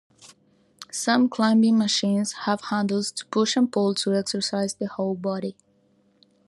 Some climbing machines have handles to push and pull to exercise the whole body.